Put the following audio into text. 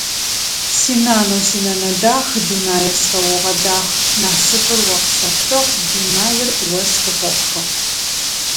Синанэу синэнэ дах, дунаир сфэогъэдах, насыпыр о къысэптыгъ, дунаир о сфыхэпхыгъ.